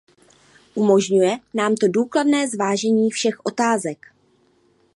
Umožňuje nám to důkladné zvážení všech otázek.